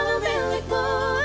kan selalu milikmu